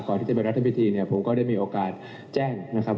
ก่อนที่จะไปรัฐพิธีเนี่ยผมก็ได้มีโอกาสแจ้งนะครับ